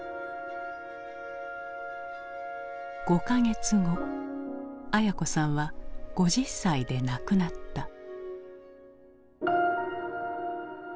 ５か月後文子さんは５０歳で亡くなった。